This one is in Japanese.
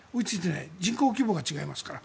人口規模が違いますから。